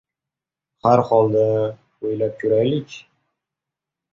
Har holda, o‘ylab ko‘raylik…